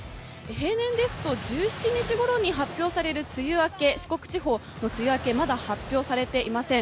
平年ですと１７日ごろに発表される四国地方の梅雨明け、まだ発表されていません。